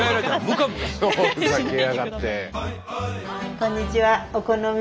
こんにちは。